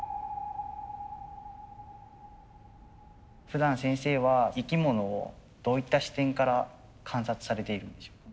ふだん先生は生き物をどういった視点から観察されているんでしょうか？